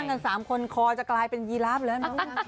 นั่งกันสามคนคอจะกลายเป็นยีราฟแล้ว